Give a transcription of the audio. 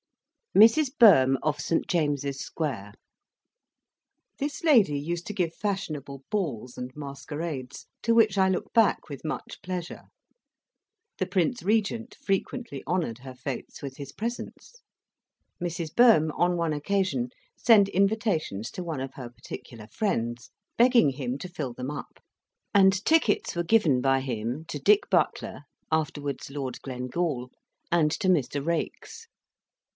MRS. BOEHM, OF ST. JAMES'S SQUARE This lady used to give fashionable balls and masquerades, to which I look back with much pleasure. The Prince Regent frequently honoured her fetes with his presence. Mrs. Boehm, on one occasion, sent invitations to one of her particular friends, begging him to fill them up, and tickets were given by him to Dick Butler (afterwards Lord Glengal) and to Mr. Raikes.